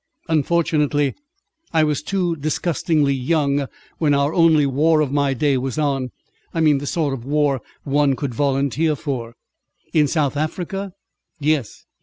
Unfortunately I was too disgustingly young, when our only war of my day was on. I mean, the sort of war one could volunteer for." "In South Africa?" "Yes.